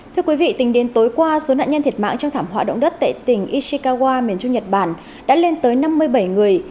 thưa quý vị tính đến tối qua số nạn nhân thiệt mạng trong thảm họa động đất tại tỉnh ishikawa miền trung nhật bản đã lên tới năm mươi bảy người